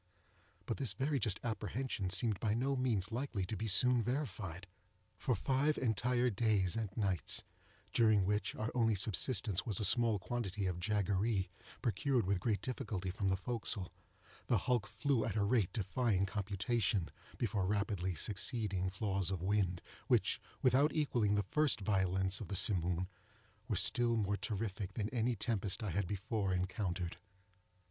But this very just apprehension seemed by no means likely to be soon verified. For five entire days and nights—during which our only subsistence was a small quantity of jaggeree, procured with great difficulty from the forecastle—the hulk flew at a rate defying computation, before rapidly succeeding flaws of wind, which, without equalling the first violence of the Simoom, were still more terrific than any tempest I had before encountered.